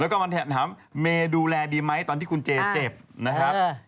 แล้วก็มาถามเมย์ดูแลดีไหมตอนที่คุณเจเจ็บนะครับ